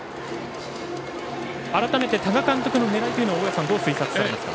改めて多賀監督の狙いは大矢さん、どう推察されますか。